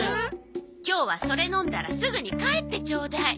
今日はそれ飲んだらすぐに帰ってちょうだい。